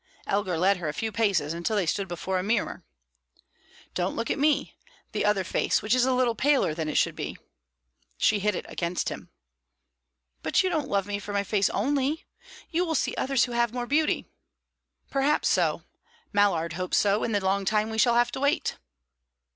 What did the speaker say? Elgar led her a few paces, until they stood before a mirror. "Don't look at me. The other face, which is a little paler than it should be." She hid it against him. "But you don't love me for my face only? You will see others who have more beauty." "Perhaps so. Mallard hopes so, in the long time we shall have to wait."